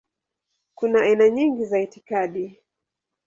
Kuna aina nyingi za itikadi.